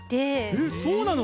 えっそうなの！？